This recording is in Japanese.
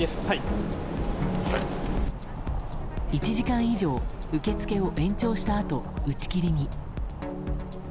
１時間以上受け付けを延長した後打ち切りに。